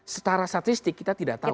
setara statistik kita tidak tahu